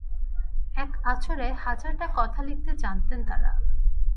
এক আঁচড়ে হাজারটা কথা লিখতে জানতেন তাঁরা।